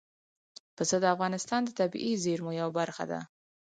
پسه د افغانستان د طبیعي زیرمو یوه برخه ده.